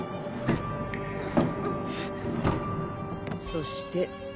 そして。